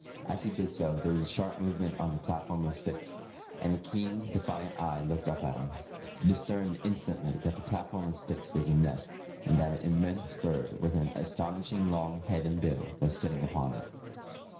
As he did so, there was a sharp movement on the platform of sticks, and a keen, defiant eye looked up at him. He discerned instantly that the platform of sticks was a nest, and that an immense bird, with an astonishingly long head and bill, was sitting upon it.